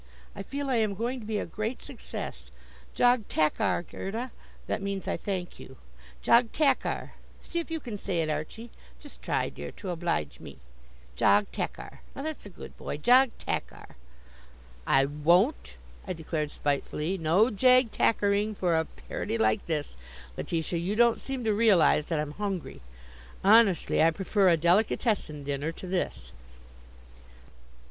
I feel I am going to be a great success. Jag tackar, Gerda. That means 'I thank you,' Jag tackar. See if you can say it, Archie. Just try, dear, to oblige me. Jag tackar. Now, that's a good boy, jag tackar." "I won't," I declared spitefully. "No _jag tackar_ing for a parody like this, Letitia. You don't seem to realize that I'm hungry. Honestly, I prefer a delicatessen dinner to this."